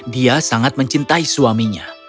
dia sangat mencintai suaminya